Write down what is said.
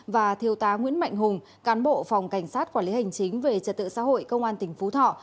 và thiêu tá nguyễn mạnh hùng cán bộ phòng cảnh sát quản lý hành chính về trật tự xã hội công an tỉnh phú thọ